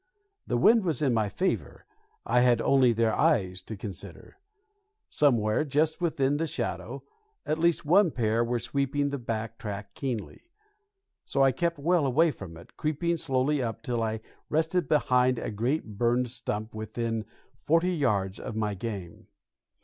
The wind was in my favor; I had only their eyes to consider. Somewhere, just within the shadow, at least one pair were sweeping the back track keenly; so I kept well away from it, creeping slowly up till I rested behind a great burned stump within forty yards of my game.